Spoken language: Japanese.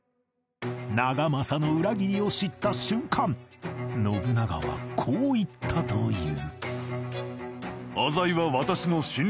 長政の裏切りを知った瞬間信長はこう言ったという